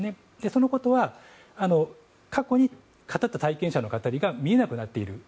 そのことは過去に語った体験者の語りが見えなくなっている。